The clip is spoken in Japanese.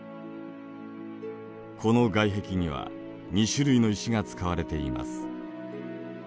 この外壁には２種類の石が使われています。